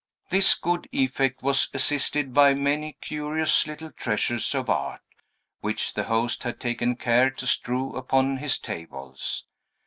This good effect was assisted by many curious little treasures of art, which the host had taken care to strew upon his tables.